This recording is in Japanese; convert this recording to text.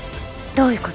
どういう事？